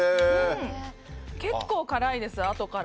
結構辛いです